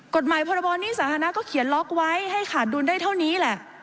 กฎหมายพรบหนี้สาธารณะก็เขียนล็อกไว้ให้ขาดดุลได้เท่านี้แหละ